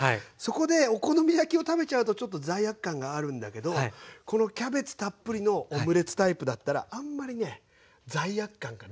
そこでお好み焼きを食べちゃうとちょっと罪悪感があるんだけどこのキャベツたっぷりのオムレツタイプだったらあんまりね罪悪感がない。